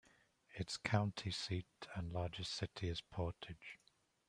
Its county seat and largest city is Portage.